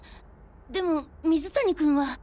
でも水谷君は。